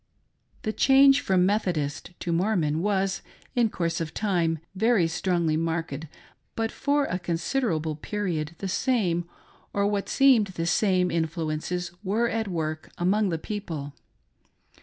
The change from Methodist to Mormon was, in course of time,, very strongly marked ; but for a considerable period the same, or what seemed the same, influences were at work among the people.